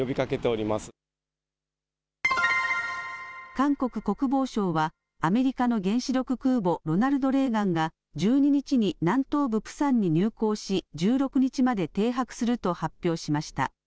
韓国国防省はアメリカの原子力空母ロナルド・レーガンが１２日に南東部プサンに入港し１６日まで停泊すると発表しました。